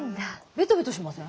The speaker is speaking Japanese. ベトベトしません？